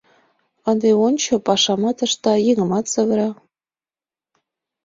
Ынде ончо, пашамат ышта, еҥымат савыра.